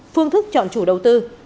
phương thức chọn chủ đầu tư